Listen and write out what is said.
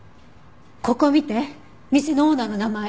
ここ見て店のオーナーの名前。